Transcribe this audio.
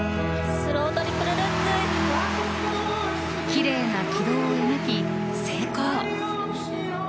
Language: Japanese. きれいな軌道を描き、成功！